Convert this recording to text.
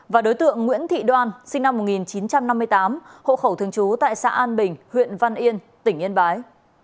và đối tượng nguyễn thị đoan sinh năm một nghìn chín trăm năm mươi tám hộ khẩu thường trú tại xã an bình huyện văn yên tỉnh yên bái